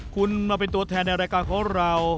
คุณมาเป็นตัวแทนในรายการของเรา